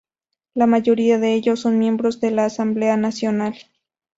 La mayoría de ellos son miembros de la Asamblea Nacional.